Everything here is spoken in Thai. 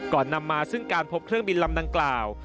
นำมาซึ่งการพบเครื่องบินลำดังกล่าว